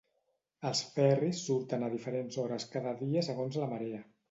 Els ferris surten a diferents hores cada dia segons la marea.